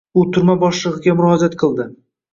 U turma boshlig’iga murojaat qildi.